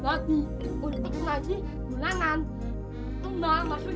aneh ada orangnya nggak ya